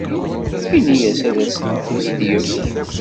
Ini-as ad asen-ten-id-yefk.